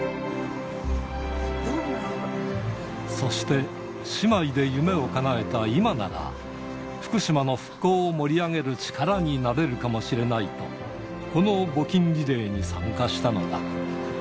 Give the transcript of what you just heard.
そして、姉妹で夢をかなえた今なら、福島の復興を盛り上げる力になれるかもしれないと、この募金リレーに参加したのだ。